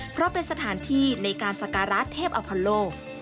เพราะเป็นสถานที่ในการศักราชเทพอัพโภโล